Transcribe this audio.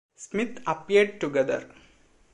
Smith appeared together.